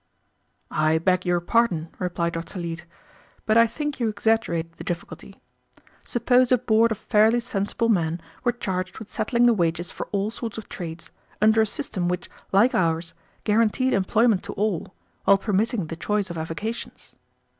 "I beg your pardon," replied Dr. Leete, "but I think you exaggerate the difficulty. Suppose a board of fairly sensible men were charged with settling the wages for all sorts of trades under a system which, like ours, guaranteed employment to all, while permitting the choice of avocations.